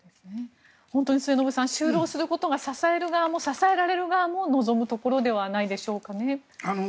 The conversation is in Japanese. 本当に末延さん就労することが支える側も支えられる側も望むところではないでしょうかね。